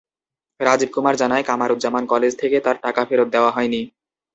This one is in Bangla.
রাজীব কুমার জানায়, কামারুজ্জামান কলেজ থেকে তার টাকা ফেরত দেওয়া হয়নি।